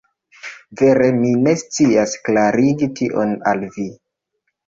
Vere, mi ne scias klarigi tion al vi.